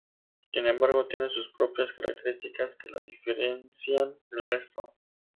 Sin embargo tiene sus propias características que la diferencian del resto.